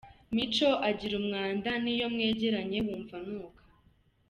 Mico agira umwanda, n’iyo mwegeranye wumva anuka.